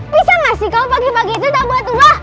bisa nggak sih kalau pagi pagi itu tak buat ulah